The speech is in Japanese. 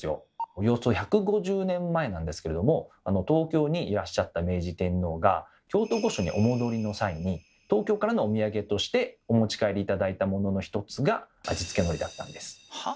およそ１５０年前なんですけれども東京にいらっしゃった明治天皇が京都御所にお戻りの際に東京からのおみやげとしてお持ち帰り頂いたものの一つが味付けのりだったんです。